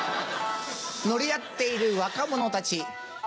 乗り合っている若者たち。